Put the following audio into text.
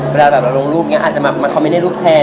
เวลาเราลงรูปเนี่ยอาจจะมาคอมเมนต์ให้รูปแทน